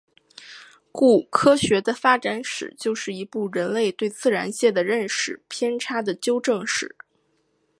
故科学的发展史就是一部人类对自然界的认识偏差的纠正史。